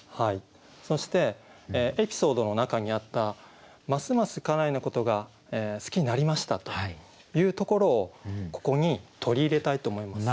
そしてエピソードの中にあった「ますます家内のことが好きになりました」というところをここに取り入れたいと思います。